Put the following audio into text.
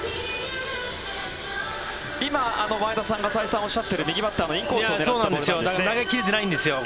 今、前田さんが再三おっしゃっている右バッターのインコースを狙ったボールなんですね。